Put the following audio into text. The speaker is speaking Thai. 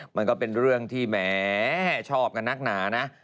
มันก็เป็นเรื่องที่แหมชอบกันนักหนานะ